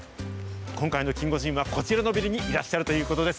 今回のキンゴジンはこちらのビルにいらっしゃるということです。